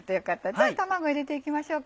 じゃあ卵入れていきましょうか。